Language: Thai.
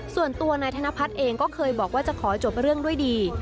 ส่วนตัวนายธนพัฒน์เองก็เคยบอกว่าจะขอจบเรื่องด้วยดี